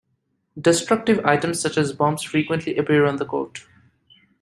Destructive items such as bombs frequently appear on the court.